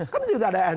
kan ini juga ada